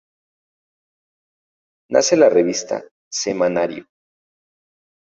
Nace la revista "Semanario".